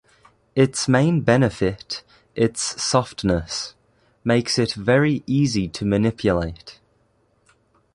Its main benefit, its softness, makes it very easy to manipulate.